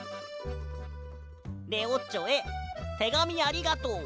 「レオッチョへてがみありがとう。